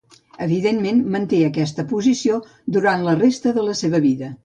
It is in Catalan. Evidentment, manté aquesta posició durant la resta de la seva vida.